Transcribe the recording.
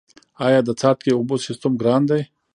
آیا د څاڅکي اوبو سیستم ګران دی؟